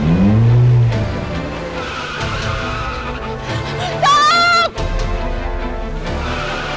berapa saya kerja tuhetin lo